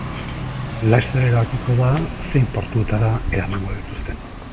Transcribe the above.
Laster erabakiko da zein portuetara eramango dituzten.